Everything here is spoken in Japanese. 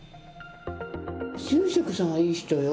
住職さんはいい人よ。